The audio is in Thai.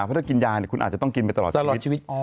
เพราะถ้ากินยาคุณอาจจะต้องกินไปตลอดชีวิต